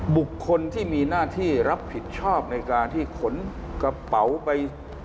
บุคคลที่มีหน้าที่รับผิดชอบในการที่ขนกระเป๋าไป